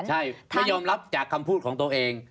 ใช่ไม่ยอมรับจากคำพูดของตัวเอง